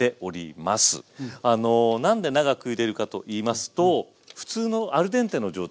何で長くゆでるかと言いますと普通のアルデンテの状態